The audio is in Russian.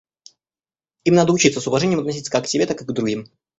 Им надо учиться с уважением относиться как к себе, так и к другим.